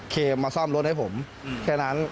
เคมาซ่อมรถให้ผมแค่นั้น